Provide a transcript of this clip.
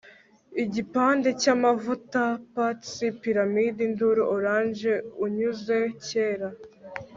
Igipande cyamavutapats piramide induru orange unyuze cyera